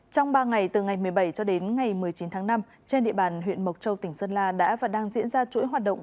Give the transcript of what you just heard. trong ba ngày từ ngày một mươi bảy cho đến ngày một mươi chín tháng năm trên địa bàn huyện mộc châu tỉnh sơn la đã và đang diễn ra chuỗi hoạt động